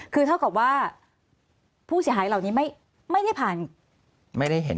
คือเท่ากับว่าผู้ชายเหล่านี้ไม่ได้ผ่าน